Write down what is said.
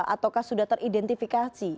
ataukah sudah teridentifikasi